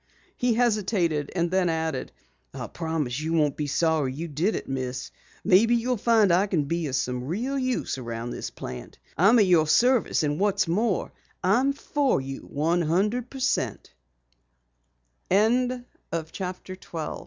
He hesitated and then added: "I promise you won't be sorry you did it, Miss. Maybe you'll find I can be of some real use around this plant. I'm at your service and what's more, I'm for you one hundred pe